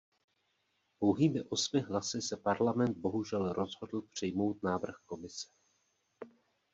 Pouhými osmi hlasy se Parlament bohužel rozhodl přijmout návrh Komise.